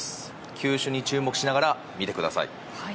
球種に注目しながら見てください。